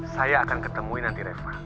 saya akan ketemui nanti reva